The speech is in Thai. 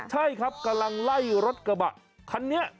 ใช่ครับกำลังไล่รถกระบะคันนี้